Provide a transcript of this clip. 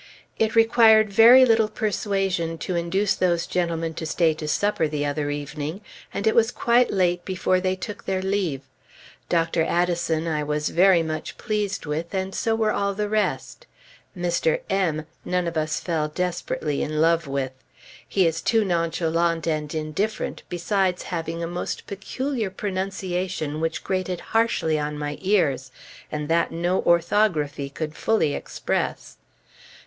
It required very little persuasion to induce those gentlemen to stay to supper, the other evening, and it was quite late before they took their leave. Dr. Addison I was very much pleased with, and so were all the rest. Mr. M , none of us fell desperately in love with. He is too nonchalant and indifferent, besides having a most peculiar pronunciation which grated harshly on my ears, and that no orthography could fully express.